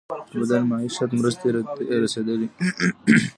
د بدیل معیشت مرستې رسیدلي؟